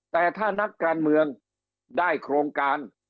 แต่ถ้านักการเมืองได้โครงการ